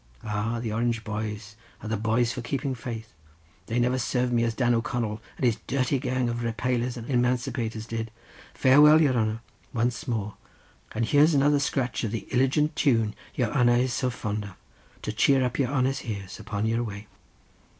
Ah, the Orange boys are the boys for keeping faith. They never served me as Dan O'Connell and his dirty gang of repalers and emancipators did. Farewell, your hanner, once more; and here's another scratch of the illigant tune your hanner is so fond of, to cheer up your hanner's ears upon your way."